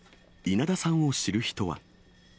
稲田さんを知る人は。